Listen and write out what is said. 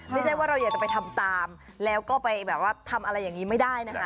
ไม่ใช่ว่าเราอยากจะไปทำตามแล้วก็ไปแบบว่าทำอะไรอย่างนี้ไม่ได้นะคะ